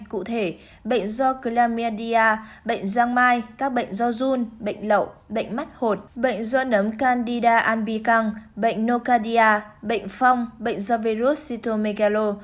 cụ thể bệnh do chlamydia bệnh giang mai các bệnh do dun bệnh lậu bệnh mắt hột bệnh do nấm candida albicang bệnh nocardia bệnh phong bệnh do virus cytomegalo